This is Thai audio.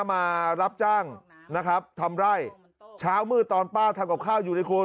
มารับจ้างนะครับทำไร่เช้ามืดตอนป้าทำกับข้าวอยู่ในคน